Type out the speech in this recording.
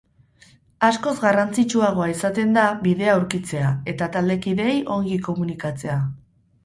Askoz garrantzitsuagoa izaten da bidea aurkitzea eta taldekideei ongi komunikatzea.